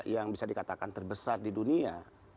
yang bisa dikatakan terbesar di dunia